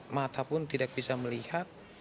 mata pun tidak bisa melihat